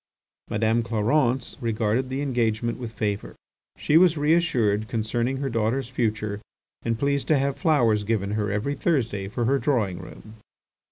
Madame Clarence regarded the engagement with favour. She was reassured concerning her daughter's future and pleased to have flowers given her every Thursday for her drawing room.